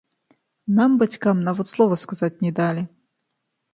Нам, бацькам, нават слова сказаць не далі.